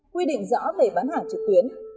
quy định rõ về bán hàng trực tuyến